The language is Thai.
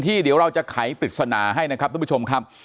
เดี๋ยวเราจะไขปริศนาให้นะครับทุกผู้ชมครับ